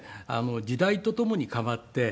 時代とともに変わって。